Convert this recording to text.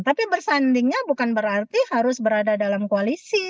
tapi bersandingnya bukan berarti harus berada dalam koalisi